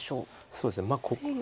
そうですね。